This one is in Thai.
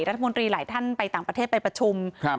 รัฐมนตรีหลายท่านไปต่างประเทศไปประชุมครับ